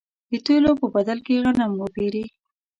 د تېلو په بدل کې غنم وپېري.